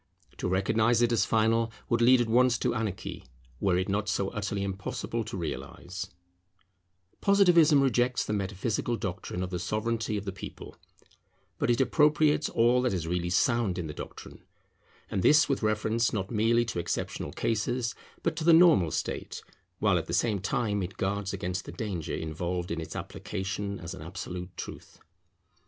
To recognize it as final would lead at once to anarchy, were it not so utterly impossible to realize. [It is only in exceptional cases that the People can be really 'sovereign'] Positivism rejects the metaphysical doctrine of the Sovereignty of the people. But it appropriates all that is really sound in the doctrine, and this with reference not merely to exceptional cases but to the normal state; while at the same time it guards against the danger involved in its application as an absolute truth.